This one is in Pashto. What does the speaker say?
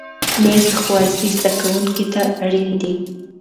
مېز د ښوونځي زده کوونکي ته اړین دی.